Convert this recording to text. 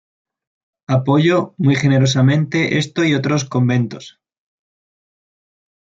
Apoyó muy generosamente estos y otros conventos.